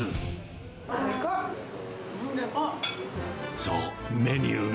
そう、メニューが。